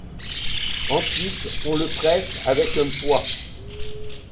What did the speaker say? Ensuite on le presse avec un poids.